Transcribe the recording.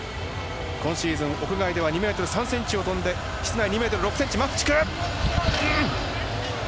今シーズン、屋外では２ｍ３ｃｍを跳んで室内は２ｍ４ｃｍ、マフチフ！